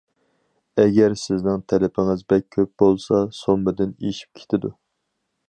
ئەگەر سىزنىڭ تەلىپىڭىز بەك كۆپ بولسا، سوممىدىن ئېشىپ كېتىدۇ.